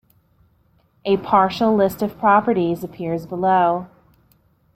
A partial list of properties appears below.